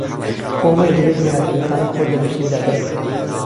بۆ ئەمەش دەبێت لێهاتووییەکانی خۆت لە نووسیندا دەربخەیت